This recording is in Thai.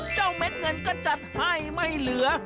เม็ดเงินก็จัดให้ไม่เหลือ